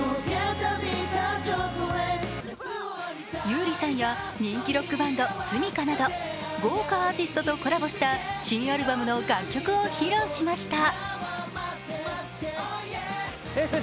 優里さんや人気ロックバンド・ｓｕｍｉｋａなど豪華アーティストとコラボした新アルバムの楽曲を披露しました。